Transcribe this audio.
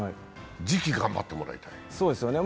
次季、頑張ってもらいたい。